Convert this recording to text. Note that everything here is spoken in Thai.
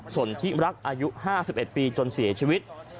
สนทิรักอายุ๕๑ปีจนเสียชีวิต